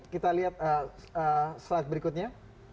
kita lihat slide berikutnya